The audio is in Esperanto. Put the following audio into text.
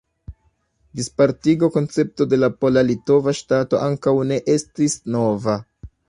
Dispartigo-koncepto de la pola-litova ŝtato ankaŭ ne estis nova.